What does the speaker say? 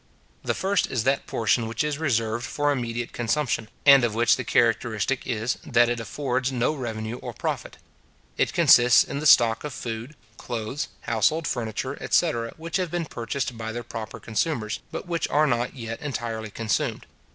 The first is that portion which is reserved for immediate consumption, and of which the characteristic is, that it affords no revenue or profit. It consists in the stock of food, clothes, household furniture, etc. which have been purchased by their proper consumers, but which are not yet entirely consumed.